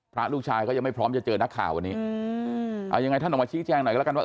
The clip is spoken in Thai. พระลูกชายก็ยังไม่พร้อมจะเจอนักข่าววันนี้อืมเอายังไงท่านออกมาชี้แจงหน่อยก็แล้วกันว่า